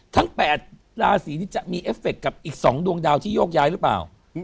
ทั้ง๘ราศีนี้จะมีเอฟเฟคกับอีก๒ดวงดาวที่โยกย้ายหรือเปล่า